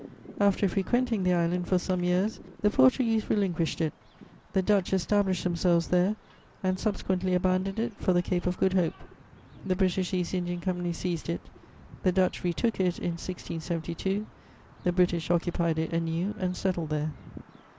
After frequenting the island for some years, the Portuguese relinquished it; the Dutch established themselves there, and subsequently abandoned it for the Cape of Good Hope; the British East Indian Company seized it; the Dutch retook it in 1672; the British occupied it anew and settled there.